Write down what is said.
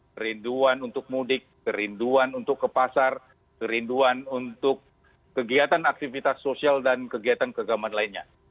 kerinduan untuk mudik kerinduan untuk ke pasar kerinduan untuk kegiatan aktivitas sosial dan kegiatan keagamaan lainnya